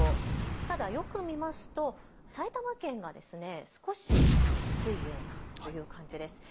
ただよく見ますと埼玉県が少し安いようなという感じです。